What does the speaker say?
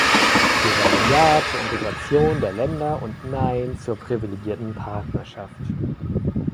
Wir sagen Ja zur Integration der Länder und Nein zur privilegierten Partnerschaft.